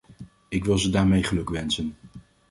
Ik wil ze daarmee gelukwensen.